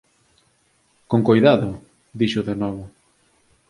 “Con coidado”, dixo de novo.